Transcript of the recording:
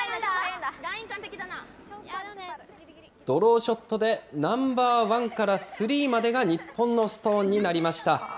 ドローショットでナンバーワンからスリーまでが日本のストーンになりました。